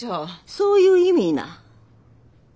そういう意味な。